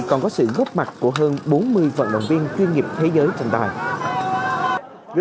cảm ơn các bạn hãy nhớ đăng ký kênh để nhận thông tin nhất của mình